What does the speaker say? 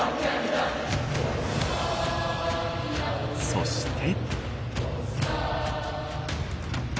そして。